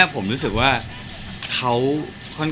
ก็ค่อนข้างนอน